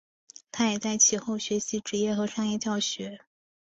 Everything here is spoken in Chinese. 他也在其后学习职业和商业教学。